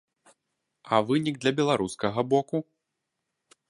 А вынік для беларускага боку?